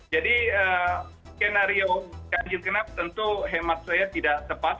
jadi skenario kanjil kenap tentu hemat saya tidak tepat